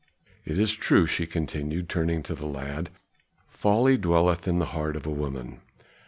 It is true," she continued, turning to the lad, "folly dwelleth in the heart of a woman.